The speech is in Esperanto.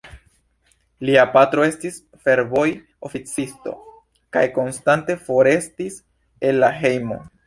Lia patro estis fervoj-oficisto kaj konstante forestis el la hejmo.